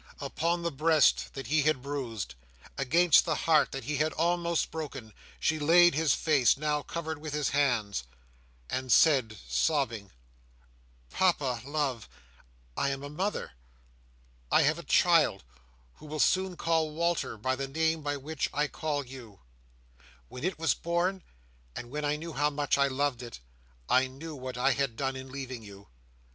Upon the breast that he had bruised, against the heart that he had almost broken, she laid his face, now covered with his hands, and said, sobbing: "Papa, love, I am a mother. I have a child who will soon call Walter by the name by which I call you. When it was born, and when I knew how much I loved it, I knew what I had done in leaving you.